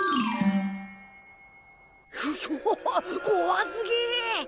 うひょこわすぎ！